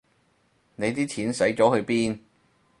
你啲錢使咗去邊